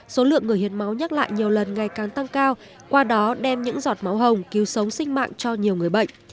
số lượng người hiến máu nhắc lại nhiều lần ngày càng tăng cao qua đó đem những giọt máu hồng cứu sống sinh mạng cho nhiều người bệnh